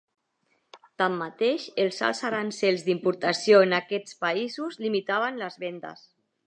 Tanmateix, els alts aranzels d'importació en aquests països limitaven les vendes.